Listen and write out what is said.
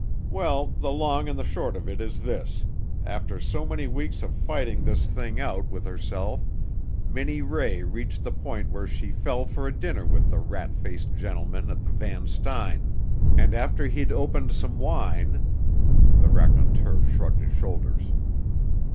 Well, the long and the short of it is this, after so many weeks of fighting this thing out with herself Minnie Ray reached the point where she fell for a dinner with the rat faced gentleman at the Van Styne, and after he'd opened some wine " The raconteur shrugged his shoulders.